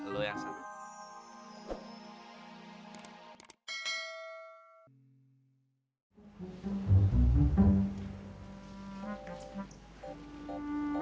lu yang satu